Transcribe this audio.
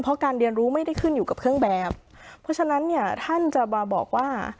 เพราะการเรียนรู้ไม่ได้ขึ้นอยู่กับเครื่องแบบเพราะฉะนั้นเนี่ยท่านจะมาบอกว่า